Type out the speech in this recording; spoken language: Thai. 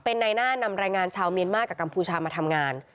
เป็นในหน้านำแรงงานชาวเมียนมากกับกัมพูชามาทำงาน